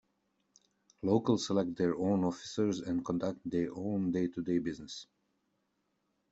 Locals elect their own officers and conduct their own day-to-day business.